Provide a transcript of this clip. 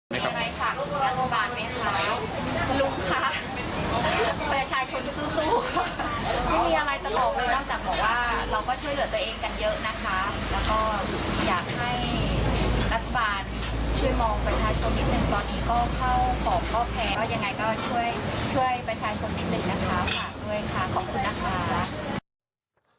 ประชาชนสู้เต็มที่นะครับฝากด้วยค่ะขอบคุณนะคะ